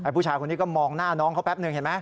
ผู้ชายคนนี้ก็มองหน้าน้องเขาแป๊บหนึ่งเห็นไหม